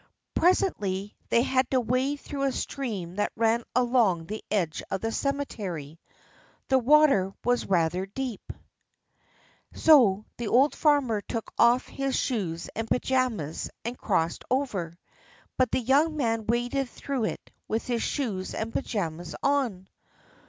Presently they had to wade through a stream that ran along the edge of the cemetery. The water was rather deep, so the old farmer took off his shoes and pajamas and crossed over; but the young man waded through it with his shoes and pajamas on.